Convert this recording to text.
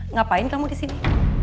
ngapain kamu di sini